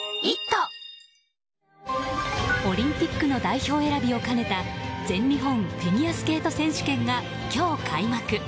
オリンピックの代表選びを兼ねた全日本フィギュアスケート選手権が今日開幕。